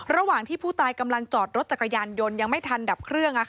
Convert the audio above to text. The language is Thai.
ระหว่างที่ผู้ตายกำลังจอดรถจักรยานยนต์ยังไม่ทันดับเครื่อง